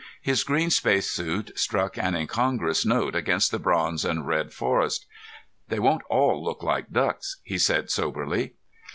His green spacesuit struck an incongruous note against the bronze and red forest. "They won't all look like ducks," he said soberly.